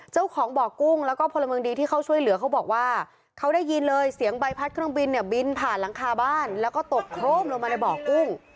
เจ้าของบ่อกุ้งแล้วก็พลเมืองดีที่เขาช่วยเหลือเขาบอกว่าเขาได้ยินเลยเสียงใบพัดเครื่องบินเนี่ยบินผ่านหลังคาบ้านแล้วก็ตกโครมลงมาในบ่อกุ้ง